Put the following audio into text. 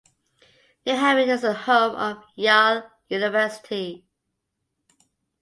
New Haven is the home of Yale University.